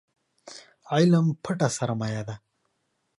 علم پټه سرمايه ده